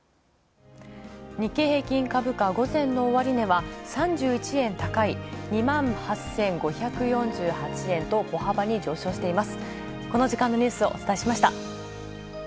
日経平均株価、午前の終値は３１円高い、２８５４８円と小幅に上昇しています。